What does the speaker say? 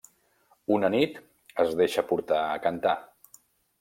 Una nit, es deixa portar a cantar.